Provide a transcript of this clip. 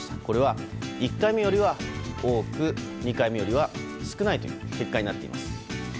これは、１回目よりは多く２回目よりは少ないという結果になっています。